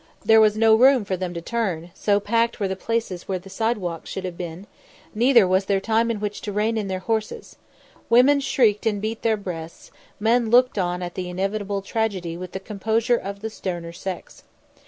There was no room for them to turn, so packed were the places where the sidewalks should have been, neither was there time in which to rein in their horses. Women shrieked and beat their breasts, men looked on at the inevitable tragedy with the composure of the sterner sex.